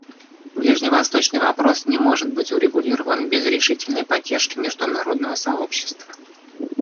Ближневосточный вопрос не может быть урегулирован без решительной поддержки международного сообщества.